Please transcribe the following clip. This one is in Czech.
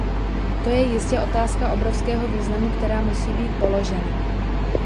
To je jistě otázka obrovského významu, která musí být položena.